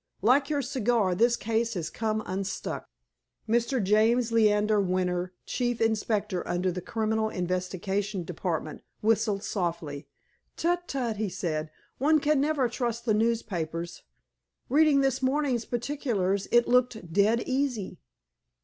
Like your cigar, this case has come unstuck." Mr. James Leander Winter, Chief Inspector under the Criminal Investigation Department, whistled softly. "Tut, tut!" he said. "One can never trust the newspapers. Reading this morning's particulars, it looked dead easy."